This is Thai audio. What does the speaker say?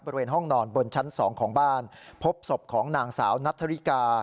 บริเวณห้องนอนบนชั้น๒ของบ้านพบศพของนางสาวนัทธริกา